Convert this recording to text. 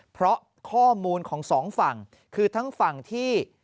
เพราะข้อมูลของสองฝั่งคือทั้งฝั่งที่